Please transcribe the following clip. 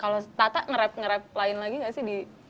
kalau tata nge rap nge rap lain lagi gak sih di